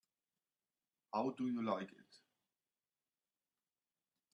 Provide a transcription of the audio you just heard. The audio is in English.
How do you like it?